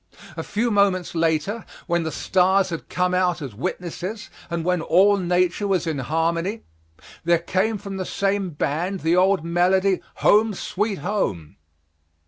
A few moments later, when the stars had come out as witnesses and when all nature was in harmony, there came from the same band the old melody, "Home, Sweet Home."